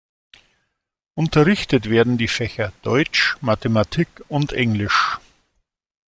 Unterrichtet werden die Fächer Deutsch, Mathematik und Englisch.